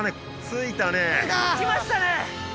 着きましたね